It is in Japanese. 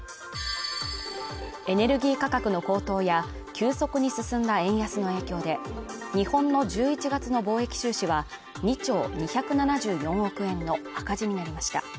エネルギー価格の高騰や急速に進んだ円安の影響で日本の１１月の貿易収支は２兆２７４億円の赤字になりました